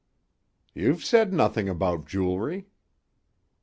"You've said nothing about jewelry."